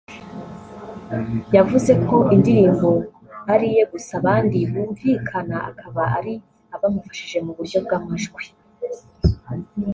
yavuze ko indirimbo ariye gusa abandi bumvikana akaba ari abamufashije mu buryo bw'amajwi